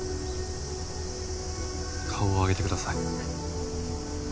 顔を上げてください。